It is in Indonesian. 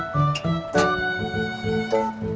sayang gak sengaja